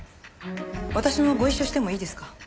私もご一緒してもいいですか？